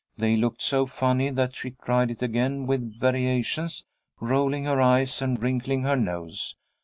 They looked so funny that she tried it again with variations, rolling her eyes and wrinkling her nose.